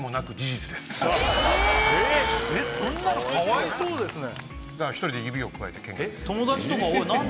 えっそんなのかわいそうですね。